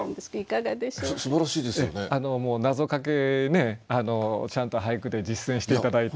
なぞかけねちゃんと俳句で実践して頂いて。